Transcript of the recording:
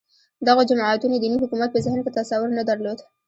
دغو جماعتونو دیني حکومت په ذهن کې تصور نه درلود